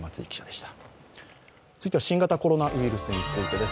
次は新型コロナウイルスについてです。